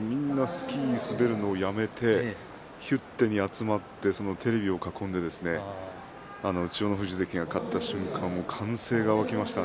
みんなスキーを滑るのをやめてヒュッテに集まってテレビを囲んで千代の富士関が勝った瞬間歓声が上がりました。